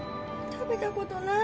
食べたことない？